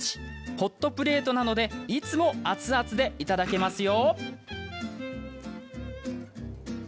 ホットプレートなのでいつも熱々でいただけますよ。